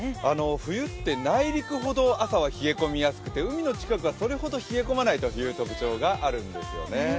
冬って内陸ほど朝は冷え込みやすくて海の近くはそれほど冷え込まないという特徴があるんですよね。